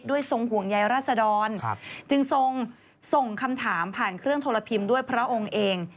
ทรงห่วงใยราษดรจึงทรงส่งคำถามผ่านเครื่องโทรพิมพ์ด้วยพระองค์เอง